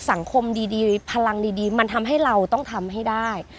สังคมดีพลังดีมันทำให้เราต้องทำให้ได้